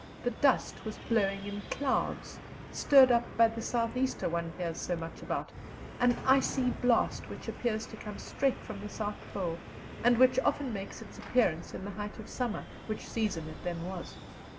The dust was blowing in clouds, stirred up by the "south easter" one hears so much about an icy blast which appears to come straight from the South Pole, and which often makes its appearance in the height of summer, which season it then was.